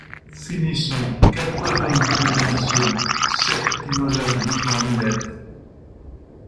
Finissons, quelle preuve donnes-tu de ta mission ? sept QUINOLA , lui tend une lettre.